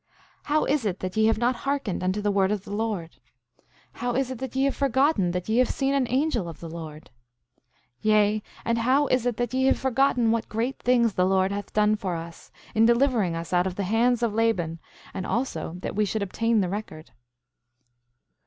7:9 How is it that ye have not hearkened unto the word of the Lord? 7:10 How is it that ye have forgotten that ye have seen an angel of the Lord? 7:11 Yea, and how is it that ye have forgotten what great things the Lord hath done for us, in delivering us out of the hands of Laban, and also that we should obtain the record?